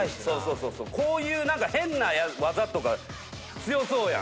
そうこういう何か変なワザとか強そうやん